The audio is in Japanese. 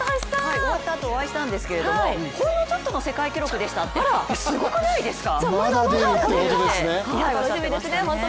終わったあとお会いしたんですけどほんのちょっとの世界記録でしたってすごくないですか？